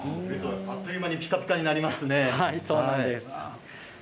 あっという間にピカピカになりますね。